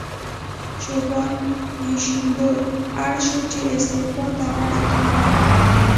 شوګان یوشینوبو اړ شو چې استعفا ته غاړه کېږدي.